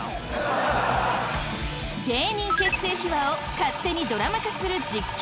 芸人結成秘話を勝手にドラマ化する実験